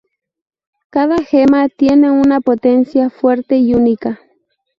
Cada gema tiene una potencia fuerte y única.